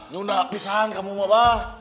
nunda pisahan kamu mah bah